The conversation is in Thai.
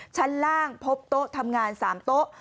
ชั้นล่างพบโต๊ะทำงาน๓โต๊ะ